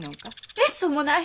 めっそうもない！